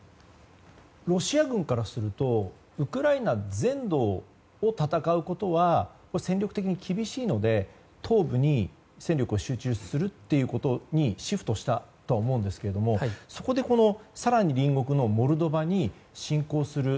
ロシア軍からするとウクライナ全土で戦うことは戦力的に厳しいので東部に戦力を集中することにシフトしたとは思うんですがそこで、更に隣国のモルドバに侵攻する。